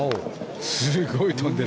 すごい飛んでる。